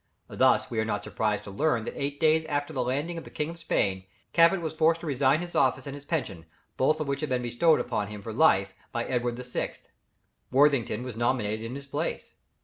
Thus we are not surprised to learn that eight days after the landing of the King of Spain, Cabot was forced to resign his office and his pension, both of which had been bestowed upon him for life by Edward VI. Worthington was nominated in his place.